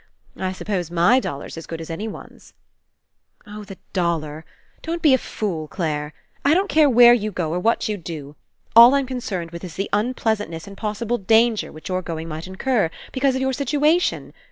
I suppose, my dollar's as good as anyone's." "Oh, the dollar! Don't be a fool, Claire. I don't care where you go, or what you do. All I'm concerned with is the unpleasant ness and possible danger which your going might incur, because of your situation.